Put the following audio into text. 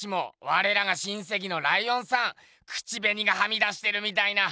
われらが親せきのライオンさん口べにがはみ出してるみたいな。